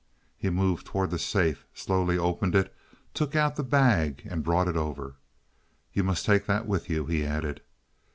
He moved toward the safe, slowly, opened it, took out the bag and brought it over. "You must take that with you," he added.